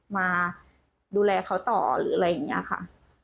มาดูแลเขาต่อหรืออะไรอย่างนี้ค่ะ